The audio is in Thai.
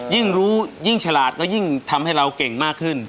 ยิ่งรู้ยิ่งฉลาดก็ยิ่งทำให้เราเก่งมากขึ้น